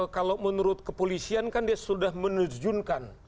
kalau menurut kepolisian kan dia sudah menerjunkan